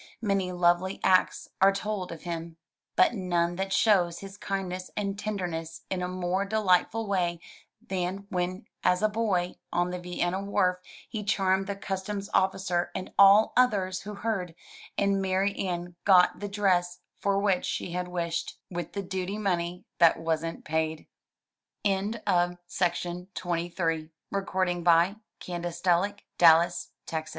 Many lovely acts are told of him, but none that shows his kindness and tenderness in a more delightful way than when as a boy on the Vienna wharf he charmed the customs officer and all others who heard, and Marianne got the dress for which she had wished with the duty money that wasn*t paid. ii6 THROUG